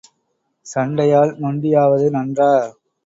சண்டையால் நொண்டியாவது நன்றா?